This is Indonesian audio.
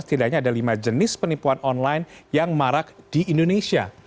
setidaknya ada lima jenis penipuan online yang marak di indonesia